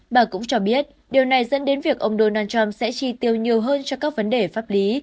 bà cũng cho biết điều này dẫn đến việc ông donald trump sẽ chi tiêu nhiều hơn cho các vấn đề pháp lý